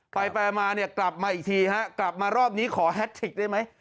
ไปไปมาเนี่ยกลับมาอีกทีฮะกลับมารอบนี้ขอแท็กได้ไหม